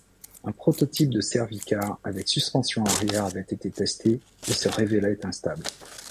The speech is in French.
Un prototype de Servi-Car avec suspension arrière avait été testé et se révélait instable.